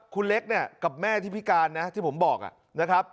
คุณเล็กเนี่ยกับแม่ที่พิการนะที่ผมบอกนะครับ